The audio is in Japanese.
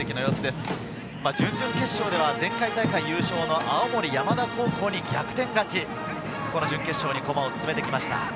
準々決勝では前回大会優勝の青森山田高校に逆転勝ち、準決勝に駒を進めてきました。